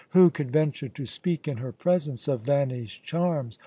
Who could venture to speak in her presence of vanished charms?